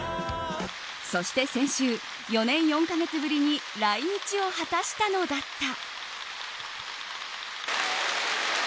そして先週、４年４か月ぶりに来日を果たしたのだった。